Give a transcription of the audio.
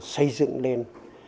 xây dựng lên